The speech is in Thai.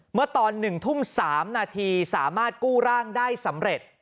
เมื่อตอน๑ทุ่ม๓นาทีสามารถกู้ร่างได้สำเร็จ